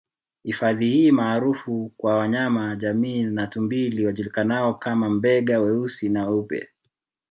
Hifadhi hii maarufu kwa wanyama jamii ya tumbili wajulikanao kama Mbega weusi na weupe